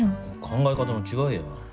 考え方の違いや。